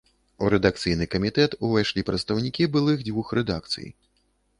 У рэдакцыйны камітэт увайшлі прадстаўнікі былых дзвюх рэдакцый.